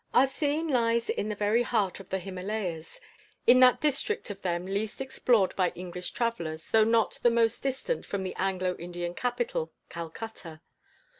Our scene lies in the very heart of the Himalayas in that district of them least explored by English travellers, though not the most distant from the Anglo Indian capital, Calcutta.